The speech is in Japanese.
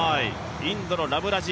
インドの、ラムラジ。